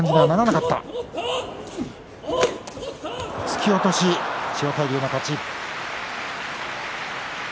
突き落とし千代大龍の勝ち。